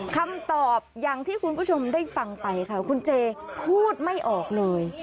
คำตอบอย่างที่คุณผู้ชมได้ฟังไปค่ะคุณเจพูดไม่ออกเลย